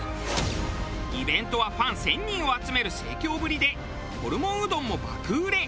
イベントはファン１０００人を集める盛況ぶりでホルモンうどんも爆売れ。